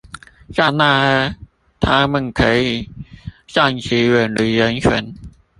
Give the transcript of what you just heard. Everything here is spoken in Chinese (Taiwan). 在那兒他們可以暫時遠離人群